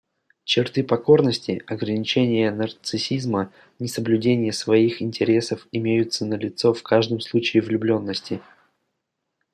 Черты покорности, ограничения нарциссизма, несоблюдения своих интересов имеются налицо в каждом случае влюбленности.